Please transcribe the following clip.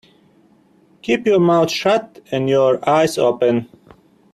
Keep your mouth shut and your eyes open.